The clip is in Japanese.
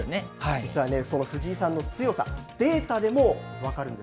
実は藤井さんの強さデータでも分かるんです。